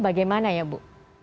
bagaimana ya bu